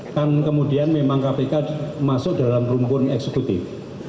kan kemudian memang kpk masuk dalam rumpun eksekutif